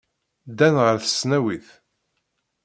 Ddan ɣer tesnawit.